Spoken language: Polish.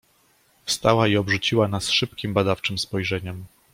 "Wstała i obrzuciła nas szybkiem, badawczem spojrzeniem."